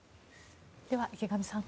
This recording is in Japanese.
では、池上さん